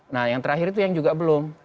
nah yang terakhir itu yang juga belum